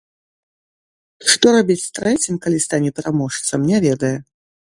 Што рабіць з трэцім, калі стане пераможцам, не ведае.